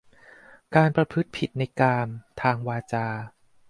การประพฤติผิดในกาม ทางวาจา